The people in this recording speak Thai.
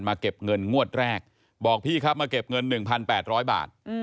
เก็บเงินงวดแรกบอกพี่ครับมาเก็บเงิน๑๘๐๐บาท